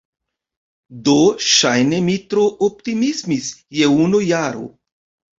Do, ŝajne mi tro optimismis je unu jaro!